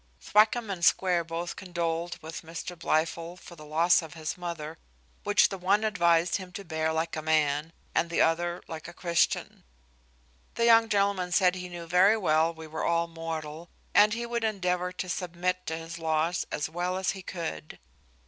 Thwackum and Square both condoled with Mr Blifil for the loss of his mother, which the one advised him to bear like a man, and the other like a Christian. The young gentleman said he knew very well we were all mortal, and he would endeavour to submit to his loss as well as he could.